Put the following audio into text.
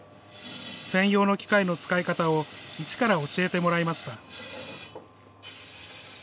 専用の機械の使い方を、いちから教えてもらいました。